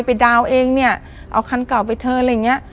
ดาวน์เองเนี่ยเอาคันเก่าไปเทิร์นอะไรอย่างเงี้ย